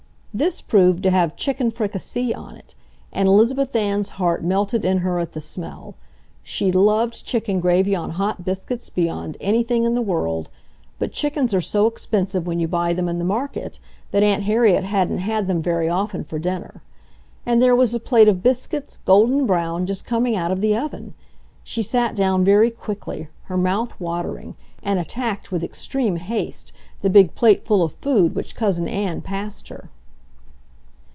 This proved to have chicken fricassee on it, and Elizabeth Ann's heart melted in her at the smell. She loved chicken gravy on hot biscuits beyond anything in the world, but chickens are so expensive when you buy them in the market that Aunt Harriet hadn't had them very often for dinner. And there was a plate of biscuits, golden brown, just coming out of the oven! She sat down very quickly, her mouth watering, and attacked with extreme haste the big plateful of food which Cousin Ann passed her.